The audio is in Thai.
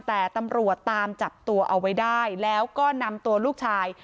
แต่ตำรวจตามจับตัวเอาไว้ได้แล้วก็นำตัวลูกชาย